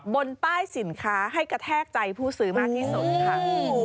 บนป้ายสินค้าให้กระแทกใจผู้ซื้อมากที่สุดค่ะ